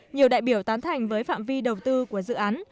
nhiều đại biểu tán thành với phạm vi đầu tư của dự án